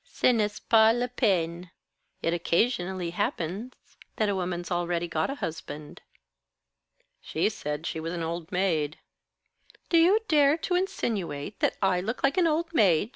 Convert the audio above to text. "Ce n'est pas la peine. It occasionally happens that a woman's already got a husband." "She said she was an old maid." "Do you dare to insinuate that I look like an old maid?"